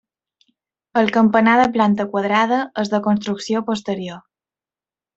El campanar de planta quadrada és de construcció posterior.